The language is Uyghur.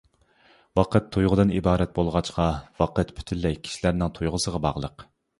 ۋاقىت تۇيغۇدىن ئىبارەت بولغاچقا ۋاقىت پۈتۈنلەي كىشىلەرنىڭ تۇيغۇسىغا باغلىق.